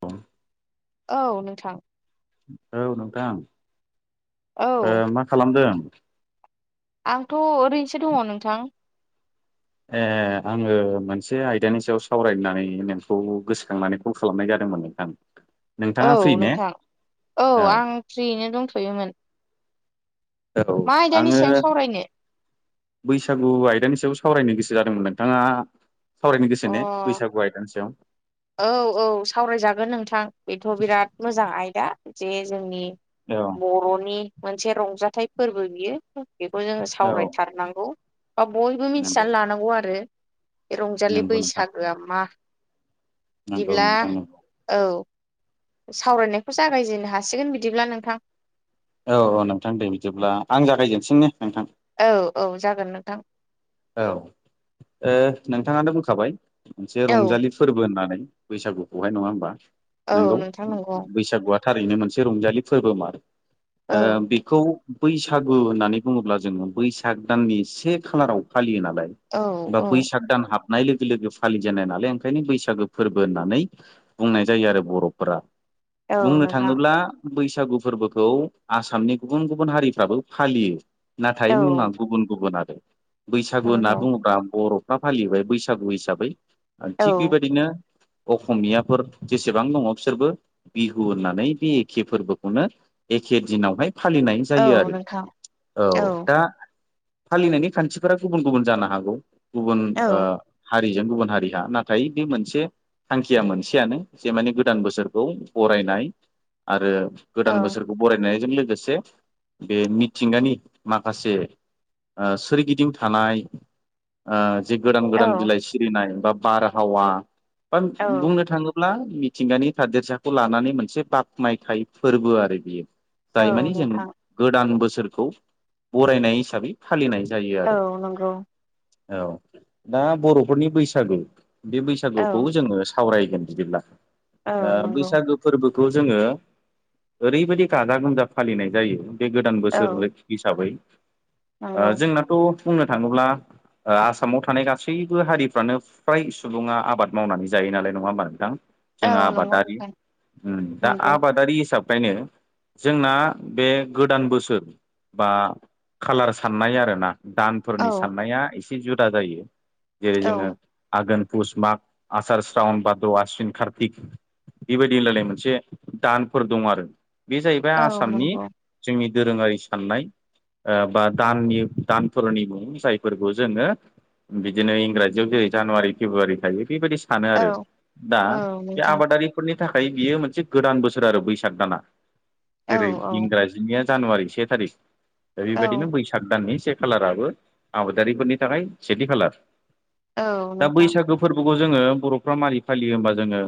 औ औ नोंथां। औ नोंथां औ ओ मा खालामदों? आंथ' ओरैनोसो दङ नोंथां। ए आङो मोनसे आयदानि सायाव सावरायनो होननानै नोंखौ गोसखांनानै कल खालामनाय जादोंमोन नोंथां। औ नोंथाङा फ्रि ने नोंथां औ आं फ्रियैनो दंथ'योमोन। औ मा आयदानि आङो सायाव सावरायनो बैसागु आयदानि सायाव सावरायनो गोसो जादोंमोन नोंथाङा सावरायनो गोसो ने अ बैसागु आयदानि सायाव? औ औ सावरायजागोन नोंथां बेथ' बिराद मोजां आयदा जे जोंनि औ बर'नि मोनसे रंजाथाइ फोरबो बियो बेखौ जोङो औ सावरायथारनांगौ। बा बयबो नंगौ मिथिनानै लानांगौ आरो बे रंजालि नंगौ नोंथां बैसागोआ मा। नंगौ बिदिब्ला नोंथां नंगौ औ सावरायनायखौ जागायजेनो हासिगोन बिदिब्ला नोंथां। औ औ नोंथां दे बिदिब्ला आं जागायजेनसै ने नोंथां? औ औ जागोन नोंथां। औ ओ नोंथाङानो बुंखाबाय मोनसे औ रंजालि फोरबो होननानै बैसागुखौहाय नङा होमबा औ नोंगौ नोंथां नंगौ बैसागुआ थारैनो मोनसे रंजालि फोरबोमार ओ औ बि खौ बैसागु होननानै बुङोब्ला जोङो बैसाग दाननि से खालाराव फालियो नालाय औ बा औ बैसाग दान हाबनाय लोगो लोगो फालिजेनो नालाय ओंखायनो बैसागो फोरबो होननानै बुंनाय जायो आरो बर'फोरा औ बुंनो नोंथां थाङोब्ला बैसागु फोरबोखौ आसामनि गुबुन गुबुन हारिफ्राबो फालियो नाथाय मुङा औ गुबुन गुबुन आरो। बैसागु होनना नंगौ बुङोबा बर'फ्रा फालिबाय बैसागु हिसाबै। आरो औ थिग बेबायदिनो अखमियाफोर जेसेबां दङ बिसोरबो बिहु होननानै बे एखे फोरबोखौनो एखे दिनावहाय फालिनाय औ जायो आरो नोंथां औ दा फालिनायनि खान्थिफोरा गुबुन गुबुन जानो हागौ गुबुन ओ हारिजों गुबुन हारिहा नाथाय बे मोनसे थांखिया मोनसेयानो जे माने गोदान बोसोरखौ बरायनाय आरो औ गोदान बोसोर खौ बरायनायजों लोगोसे बे मिथिंगानि माखासे ओ सोरगिदिं थानाय ओ जे गोदान गोदान औ बिलाइ सिरिनाय बा बारहावा बा औ बुंनो थाङो ब्ला मिथिंगानि थादेरसाखौ लानानै मोनसे बाख्नायथाय फोरबो आरो बियो। औ जाय मानि जों नोंथां गोदान बोसोरखौ बरायनाय हिसाबै फालिनाय जायो आरो। औ नंगौ। औ दा बर'फोरनि बैसागु बे औ बैसागुखौबो जोङो सावरायगोन बिदिब्ला औ ओ नंगौ बैसागो फोरबोखौ जोङो ओरैबायदि गाजा गोमजा फालिनाय जायो बे गोदान औ बोसोर हिसाबै ओ नंगौ जोंनाथ' बुंनो थाङोब्ला आसामाव थानाय गासैबो हारिफ्रानो फ्राय सुबुङा आबाद मावनानै जायो नालाय नङा होनोमबा नोंथां। औ जोङो नंगौ आबादारि नोंथां उम दा नंगौ आबादारि हिसाब बेयनो जोंना बे गोदान बोसोर बा कालार साननाय आरो ना औ दानफोरनि साननाया एसे जुदा जायो जेरै औ जोङो आघोन पुस माग आसचार स्रावन बाद्र आसिन कार्तिक बेबायदि होनलायलाय मोनसे दानफोर दं आरो बे जाहैबाय औ आसामनि नंगौ जोंनि दोरोङारि साननाय ओ बा दाननि दान धरनि मुं जायफोरखौ जोङो बिदिनो इंराजियाव जेरै जानुवारि फेब्रुवारि थायो बेबादि सानो औ आरो दा औ बे नोंथां आबादारि फोरनि थाखाय बियो मोनसे गोदान बोसोर आरो बैसाग दाना औ जेरै औ इंराजि जिनिया जानुवारि से थारिख दा बेबायदिनो औ बैसाग दाननि से खालाराबो आबादारिफोरनि थाखाय सेथि खालार औ दा नोंथां बैसागो फोरबोखौ जोङो बर'फ्रा मारै फालियो होनोमबा जोङो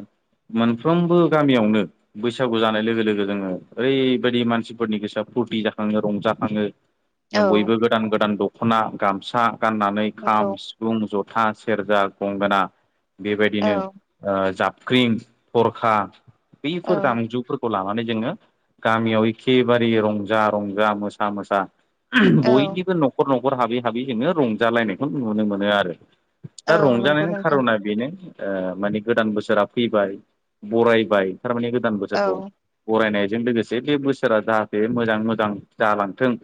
मोनफ्रोमबो गामियावनो बैसागु जानाय लोगो लोगो जोङो ओरैबायदि मानसिफोरनि गोसोआ फुरथि जाखाङो रंजाखाङो औ बयबो गोदान गोदान दख'ना गामसा गाननानै खाम नंगौ सि फुं जथा, सेरजा, गंगोना औ बेबायदिनो ओ जाबख्रिम, थरखा बैफोर औ दामजुफोरखौ खौ लानानै जोङो गामियाव एखेबारे रंजा रंजा मोसा मोसा औ बयनिबो न'खर न'खर हाबै हाबै जोङो रंजालायनायखौ नुनो मोनो आरो। दा औ नंगौ रंजानायनि नोंथां खारना बेनो ओ माने गोदान बोसोरा फैबाय बरायबाय थारमाने गोदान औ बोसोरखौ बरायनायजों लोगोसे बे बोसोरा जाहाथे मोजां मोजां जालांथों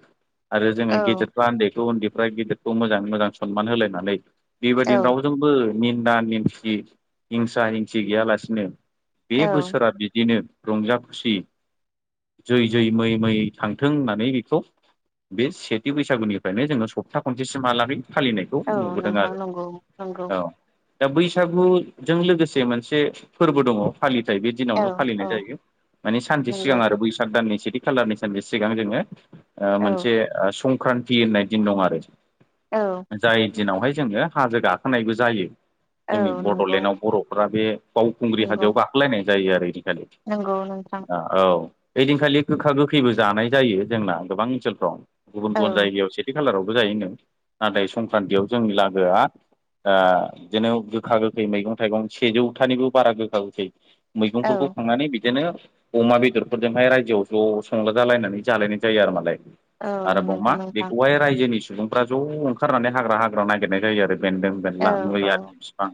आरो जोङो औ गेदेरफ्रा उन्दैखौ उन्दैफ्रा गेदेरखौ मोजाङै मोजां सनमान होलायनानै औ बेबायदिनो राव जोंबो निन्दा निन्स हिंसा हिंसि गैयालासिनो बे औ बोसोरा बिदिनो रंजा खुसि जै जै मै मैयै थांथों होननानै बेखौ बे सेथि बैसो बैसागुनिफ्रायनो जोङो सप्ता खनसेसिमहालागै फालिनायखौ औ नुबोदों नोंथां आरो नंगौ नंगौ औ दा बैसागुजों लोगोसे मोनसे फोरबो दङ फालिथाय बे औ दिनावनो औ फालिनाय जायो माने सानसे सिगां नंगौ आरो बैसाग दाननि सेथि खालारनि सानसे सिगां जोङो ओ औ मोनसे ओ संक्रान्ति होननाय दिन दं आरो औ। जाय दिनावहाय जोङो हाजो गाखोनायबो जायो। औ जोंनि नंगौ बड'लेण्डआव बर'फोरा बे बावखुंग्रि हाजोयाव गाखोलायनाय जायो आरो एदिखालि नोंगौ नोंथां। औ ओइदिनखालि गोखा गोखैबो जानाय जायो जोंना गोबां ओनसोलफ्राव। गुबुन औ गुबुन जायगायाव सेथि खालारावबो जायो नो नाथाय संक्रान्तियाव जोंनि लागोआ ओ बिदनो गोखा गोखै मैगं थाइगं सेजौथानिबो बारा गोखा गोखै औ मैगंफोरखौ खांनानै बिदिनो अमा बेदरफोरजोंहाय रायजोआव ज' संजा जालायनानै जालायनाय जायो आरो मालाय औ। नंगौ अमा नोंथां बेखौहाय रायजोनि सुबुंफ्रा ज' ओंखारनानै हाग्रा हाग्रा नागिरनाय जायो आरो बेन्दों औ मेरला औ मैयानि फिफां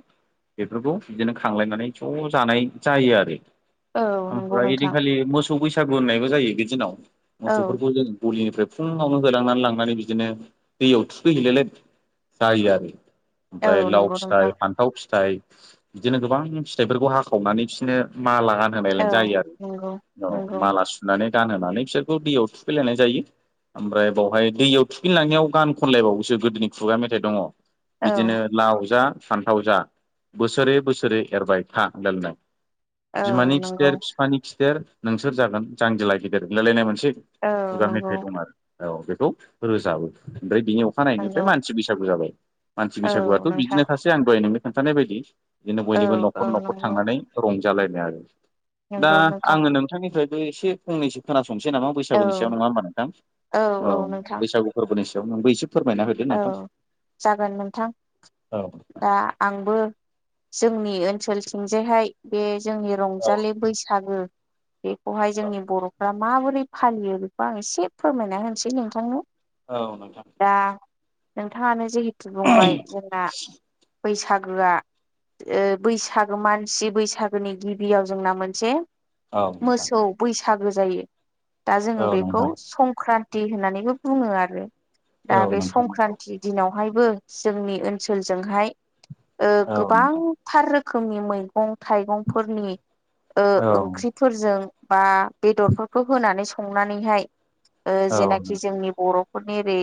बेफोरखौ बिदिनो खांलायनानै ज' जानाय जायो आरो। औ नंगौ ओमफ्रा हेदिन नोंथां एखालि मोस मोसौ बैसागु होननायबो जायो बि दिनाव औ मोसौफोरखौ जों गलिनिफ्राय फुं फावनो होलांनानै लांनानै बिदिनो दैयाव थुखैहैलायलाय जायो आरो औ ओमफ्राय लाव नंगौ फिथाइ नोंथां फान्थाव फिथाइ बिदिनो गोबां फिथाइफोरखौ हाखावनानै बिसोरनो माला गान औ गानहाय जायो आरो नंगौ औ नंगौ माला सुनानै गानहोनानै बिसोरखौ दैयाव थुखैलायनाय जायो ओमफ्राय बावहाय दैयाव थुखैनो लांनायाव गान खनलायबावोसो गोदोनि खुगा मेथाइ दङ औ बिदिनो लाव जा फान्थाव जा बोसोरै बोसोरै एरबाय था होनलाय लायनाय औ बिमानि नंगौ खिथेर बिफानि खिथेर नोंसोर जागोन जांजेला गिदिर होनलाय लायनाय मोनसे औ खुगा नंगौ मेथाइ दं आरो औ बेखौ रोजाबो ओमफ्राय बिनि अखानायनायनिफ्राय नंगौ मान सि बैसागु जाबाय मानसि औ बैसागुआथ' बिदिनो नोंथां सासे आं दहाय नोंनो खोन्थानाय बायदि बिदिनो औ बयनिबो औ न'खर न'खर नंगौ थांनानै रंजालायनाय आरो दा नंगौ नोंथां आङो नोंथांनिफ्रायबो एसे फंनैसो खोनासंसै नामा औ बैसागुनिसायाव नङा होमबा नोंथां औ बैसागु फोरबोनि सायाव नोंबो एसे फोरमायना होदो औ नोंथां जागोन नोंथां औ दा आंबो जोंनि ओनसोलथिंजायहाय बे जोंनि औ रंजालि बैसागो बेखौहाय जोंनि बर'फ्रा माबोरै फालियो बेखौ आं एसे फोरमायना होनसै नोंथांनो औ नोंथां दा नोंथाङानो जिहेथु बुंबाय जोंना बैसागोआ ओ बैसागो मानसि बैसागोनि गिबियाव जोंना मोनसे औ नोंथां मोसौ बैसागो जायो दा जोङो औ बेखौ नोंथां संख्रान थि होननानैबो बुङो आरो औ नोंथां नंगौ जि दिनावहायबो जोंनि ओनसोलजोंहाय ओ औ गोबां नोंथां थार रोखोमनि मैगं थाइगंफोरनि ओ औ ओंख्रि फोरजों बा बेदरफोरखौ होनानै संनानै हाय ओ औ जेनाखि नोंथां जोंनि बर'फोरनि ओरै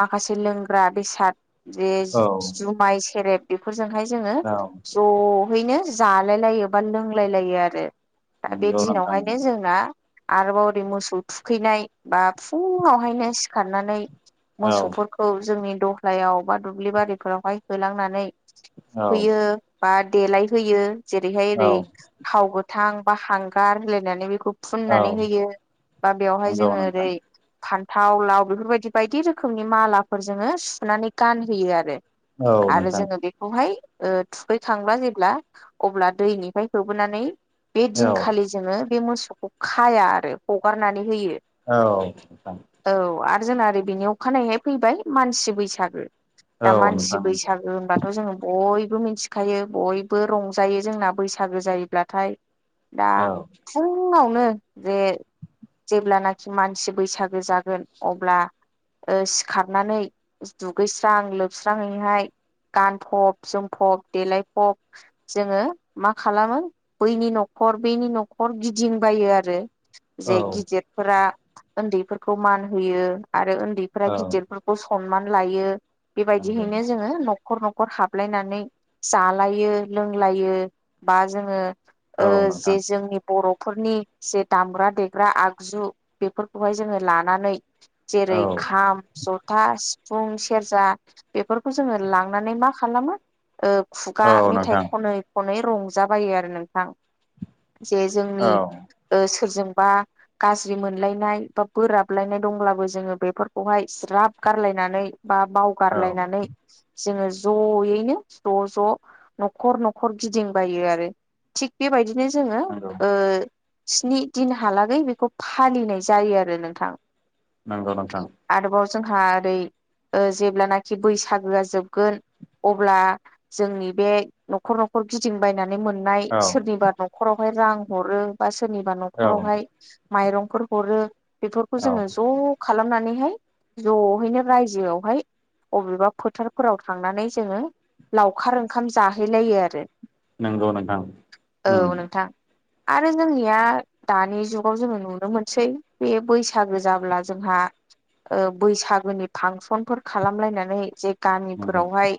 माखासे लोंग्रा बेसाद बे औ जुमाय सेरेब बेफोरजोंहाय जोङो जहैनो जालाय लायो बा लोंलाय लायो आरो दा बे नंगौ नोंथां दिनावहायनो जोंना आरोबाव ओरै मोसौ थुखैनाय बा फुङावहायनो सिखारनानै औ मोसौफोरखौ जोंनि दलायाव बा दुब्लि बारिफोरावहाय होलांनानै औ होयो बा देलाय होयो जेरैहाय औ ओरै थाव गोथां बा हांगार होलायनानै बेखौ औ फुननानै होयो बा बेवहाय नंगौ जोङो नोंथां ओरै फान्थाव लाव बेफोरबायदि बायदि रो खोमनि मालाफोरजोंनो सुनानै गानहोयो आरो औ आरो नोंथां जोङो बेख खौहाय ओ थुखैखांब्ला जेब्ला अब्ला दैनिफ्राय होबोनानै बे औ दिनखालि जोंङो बे मोसौखौ खाया आरो हगारनानै होयो औ नोंथां औ आरो जोंना ओरै बेनि अखानायैहाय फैबाय मानसि बैसागो दा औ मानसि नोंथां बैसागो होनबा थ' जोङो बयबो मिथिखायो बयबो रंजायो जोंना बैसागो जायोब्लाथाय दा औ फुङावनो जे जेब्लानाखि मानसि बैसागो जागोन अब्ला ओ सिखारनानै दुगैस्रां लोबस्रङैहाय गानफब जोमफब देलायफब जोङो मा खालामो बैनि न'खर बेनि न'खर गिदिंबायो आरो जे औ गिदिरफोरा उन्दैफोरखौ मान होयो आरो उन्दैफोरा औ गिदिर सनमान लायो नंगौ बेबायदियैनो जोङो नखर न'खर न'खर हाबलायनानै जालायो लोंलायो बा जोङो ओ औ नोंथां जे जोंनि बर'फोरनि जे दामग्रा देग्रा आगजु बेफोरखौहाय जोङो लानानै औ जेरै- खाम जथा सिफुं सेरजा बेफोरखौ जोङो लांनानै मा खालामो? ओ खुगा औ मेथाइ नोंथां ख'नोय ख'नोय रंजाबायो आरो नोंथां जे जोंनि औ ओ सोरजोंबा गाज्रि मोनलायनाय बा बोराबलायनाय दंब्लाबो जोङो बेफोर- खौहाय ज्राब गारलायनानै बा औ बावगारलायनानै जोङो ज'यैनो ज' ज' न'खर न'खर गिदिंबायो आरो। थिग बेबायदिनो जोङो नंगौ ओ स्नि दिनहालागै बिखौ फालिनाय जायो आरो नोंथां। नंगौ नोंथां। आरोबाव जोंहा ओरै ओ जेब्लानाखि बैसागोआ जोबगोन अब्ला जोंनि बे न'खर न'खर गिदिं बायनानै मोन- नाय औ सोरनिबा न'खरावहाय रां हरो बा सोरनिबा औ न'खरावहाय माइरंफोर हरो बेफोरखौ औ जोङो ज' खालामनानैहाय ज'हैनो रायजोआवहाय अबेबा फोथारफोराव थांनानै जोङो लावखार ओंखाम जाहैलायो आरो। नंगौ नोंथां औ उम नोंथां। आरो जोंनिया दानि जुगाव जोङो नुनो मोनसै बे बैसागो जाब्ला जोंहा ओ बैसागुनि फांसनफोर खालामलायनानै जे नंगौ गामिफोरावहाय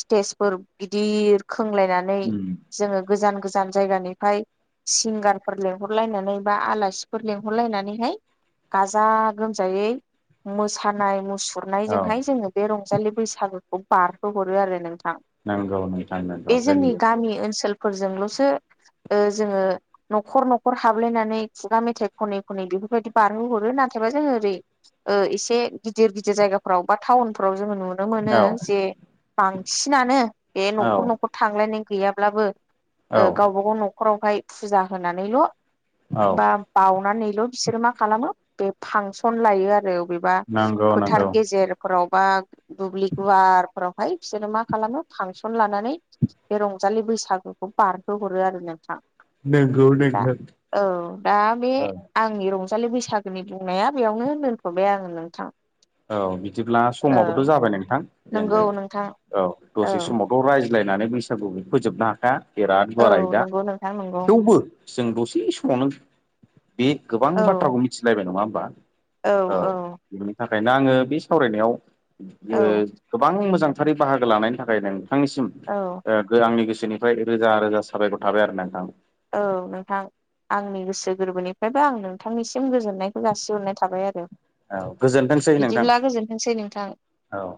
स्टेजफोर गिदिर खोंलायनानै उम जोङो गोजान गोजान जायगानिफ्राय सिंगारफोर लेंंहरलायनानै बा आलासिफोर लेंंहरलायनानैहाय गाजा गोमजायै मोसानाय औ मुसुरनायजोंहाय जोङो बे रंजालि बैसागुखौ बारहोहरो आरो नोंथां। नंगौ नोंथां बे नंगौ जोंनि जोंनिजों गामि ओनसोलफोरजोंल'सो ओ जोङो न'खर न'खर हाबलायनानै खुगा मेथाइ खनै खनै बेफोरबायदि बारहोहरो नाथायबा जोङो ओरै ओ एसे गिदिर गिदिर जायगाफ्राव बा टाउनफ्राव जोङो नुनो मोनो औ जे बांसिनानो बे औ न'खर न'खर थांलायनाय गैयाब्लाबो औ ओ गावबा गाव न- खरावहाय फुजा होनानैल' औ बा बावउनानैल' बिसोरो मा खालामो बे फांसन लायो आरो। बबेबा नंगौ फोथार नंगौ गेजेरफोराव बा दुब्लि गुवारफोराव। ओमफ्राय बिसोरो मा खालामो फांसन लानानै बे रंजालि बैसागुखौ बारहो हरो आरो नोंथां। दा औ दा बे औ आंनि रंजालि बैसागुनि बुंनाया बेयावनो दोनथ'बाय आङो नोंथां। औ बिदिब्ला औ समाबोत' जाबाय नोंथां जोङो नंगौ नोंथां औ औ दसे समाव रायज्लायनानै बैसागु फोजोबनो हाखाया बेराद औ गुवाराय दा। नंगौ नोंथां नंगौ थेवबो जों दसे समावनो बे गोबां औ बाथ्राखौ मिथिलायबाय नङा होमबा? औ औ बिनि थाखायनो आंङो बे सावरायनायाव औ ओ गोबां मोजांथारै बाहागो लानायनि थाखायनो नोंथांनिसिम औव आंनि गोसोनिफ्राय रोजा रोजा साबायखर थाबाय आरो ना नोंथां। औव नोंथां आंनि गोसो गोरबोनिफ्रायबो आं नोंथांनिसिम गोजोननायखौ जासिहरनाय थाबाय आरो। औ गोजोनथोंसै नोंथां बिदिब्ला गोजोनथोंसै नोंथां। औव।